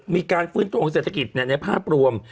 มีการฟื้นตัวของเศรษฐกิจในภาพรวม